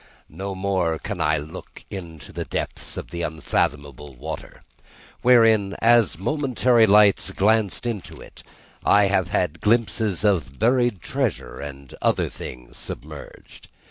No more can I look into the depths of this unfathomable water, wherein, as momentary lights glanced into it, I have had glimpses of buried treasure and other things submerged.